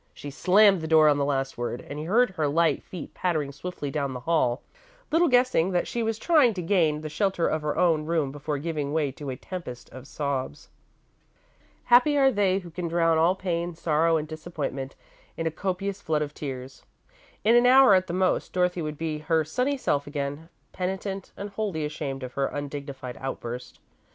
She slammed the door on the last word, and he heard her light feet pattering swiftly down the hall, little guessing that she was trying to gain the shelter of her own room before giving way to a tempest of sobs. Happy are they who can drown all pain, sorrow, and disappointment in a copious flood of tears. In an hour, at the most, Dorothy would be her sunny self again, penitent, and wholly ashamed of her undignified outburst.